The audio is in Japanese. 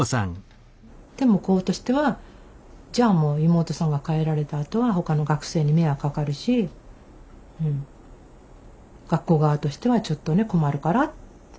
向こうとしてはじゃあもう妹さんが帰られたあとはほかの学生に迷惑かかるし学校側としてはちょっとね困るからって言われたんですよ。